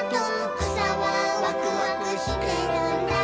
「くさはワクワクしてるんだ」